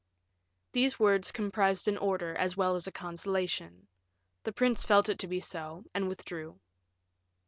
These words comprised an order as well as a consolation; the prince felt it to be so, and withdrew.